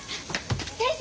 先生！